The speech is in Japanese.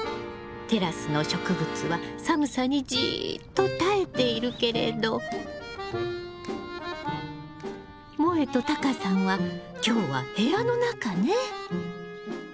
テラスの植物は寒さにじっと耐えているけれどもえとタカさんは今日は部屋の中ね。